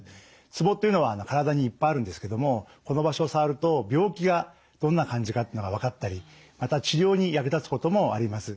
ツボっていうのは体にいっぱいあるんですけどもこの場所を触ると病気がどんな感じかっていうのが分かったりまた治療に役立つこともあります。